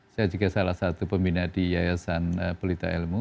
saya juga salah satu pembina di yayasan pelita ilmu